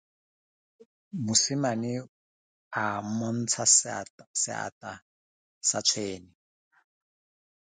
Mosimane a mmontsha seatla sa tshwene.